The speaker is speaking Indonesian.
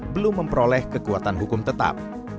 belum memperoleh kekuatan hukum tetap